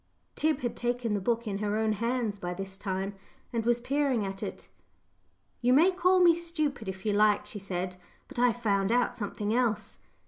'" Tib had taken the book in her own hands by this time, and was peering at it. "You may call me stupid, if you like," she said, "but I've found out something else.